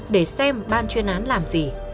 để xem ban chuyên án làm gì